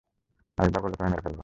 আরেকবার বললে তোমায় মেরে ফেলবো!